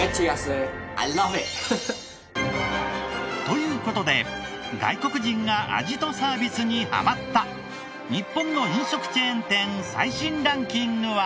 という事で外国人が味とサービスにハマった日本の飲食チェーン店最新ランキングは。